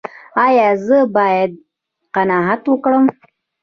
ایا زه باید قناعت وکړم؟